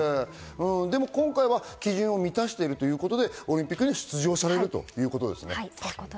今回は基準を満たしているということでオリンピックに出場されるということですね。